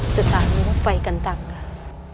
สถานีรถไฟกันตังค่ะ